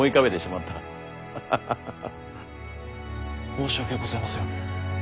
申し訳ございませぬ！